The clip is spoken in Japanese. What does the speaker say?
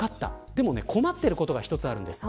でも困っていることが一つあるんです。